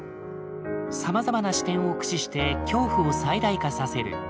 さまざまな視点を駆使して恐怖を最大化させる。